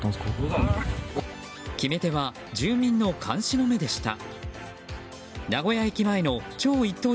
決め手は住民の監視の目でした。